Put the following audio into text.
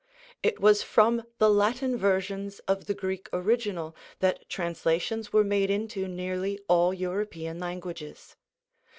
It was from the Latin versions of the Greek original that translations were made into nearly all European languages.